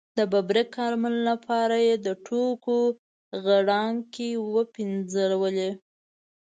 د ببرک کارمل لپاره یې د ټوکو غړانګې وپنځولې.